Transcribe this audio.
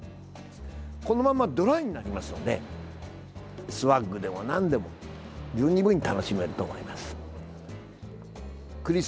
このままドライになりますのでスワッグでもなんでも十二分に楽しめると思います。